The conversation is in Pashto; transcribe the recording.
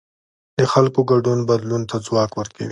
د خلکو ګډون بدلون ته ځواک ورکوي